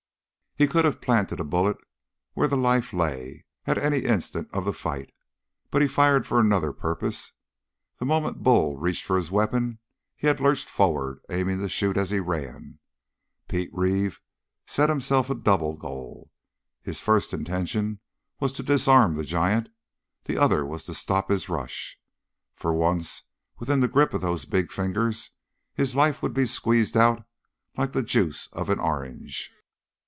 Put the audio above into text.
He could have planted a bullet where the life lay, at any instant of the fight. But he fired for another purpose. The moment Bull reached for his weapon he had lurched forward, aiming to shoot as he ran. Pete Reeve set himself a double goal. His first intention was to disarm the giant; the other was to stop his rush. For, once within the grip of those big fingers, his life would be squeezed out like the juice of an orange.